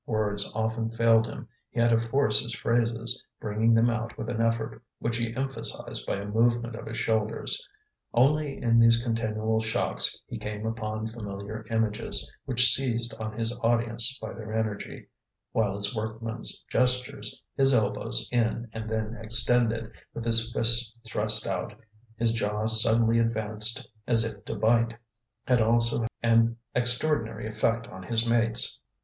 Words often failed him, he had to force his phrases, bringing them out with an effort which he emphasized by a movement of his shoulders. Only in these continual shocks he came upon familiar images which seized on his audience by their energy; while his workman's gestures, his elbows in and then extended, with his fists thrust out, his jaw suddenly advanced as if to bite, had also an extraordinary effect on his mates.